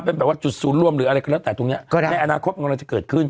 เป็นแบบว่าจุดศูนย์ร่วมหรืออะไรก็แล้วแต่ตรงนี้ในอนาคตมันก็จะเกิดขึ้น